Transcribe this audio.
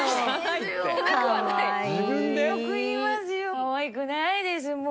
かわいくないですもう。